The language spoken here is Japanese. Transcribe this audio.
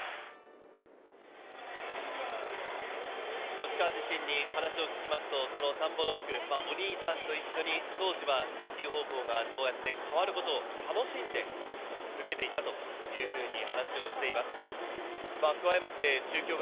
吉川自身に話を聞きますと、田んぼノック、お兄さんと一緒に当時は打球方向が変わることを楽しんで受けていたというふうに話をしています。